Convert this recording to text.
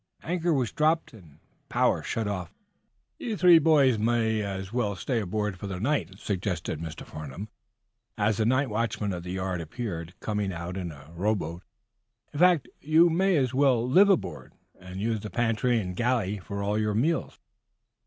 Anchor was dropped and power shut off for the night. "You three boys may as well stay aboard for the night," suggested Mr. Farnum, as the night watchman of the yard appeared, coming out in a row boat. "In fact, you may as well live aboard, and use the pantry and galley for all your meals."